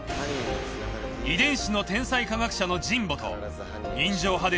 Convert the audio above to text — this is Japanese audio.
遺伝子の天才科学者の神保と人情派で